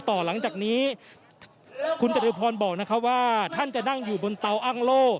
ต่อหลังจากนี้คุณจตุพรบอกนะครับว่าท่านจะนั่งอยู่บนเตาอ้างโล่